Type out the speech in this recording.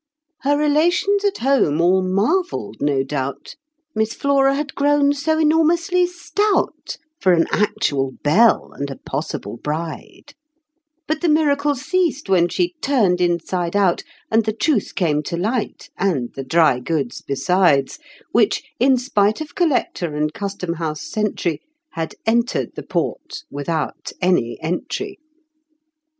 Her relations at home all marveled, no doubt, Miss Flora had grown so enormously stout For an actual belle and a possible bride; But the miracle ceased when she turned inside out, And the truth came to light, and the dry goods besides, Which, in spite of Collector and Custom House sentry, Had entered the port without any entry.